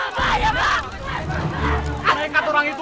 mereka tuh orang itu